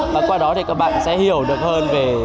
và qua đó thì các bạn sẽ hiểu được hơn về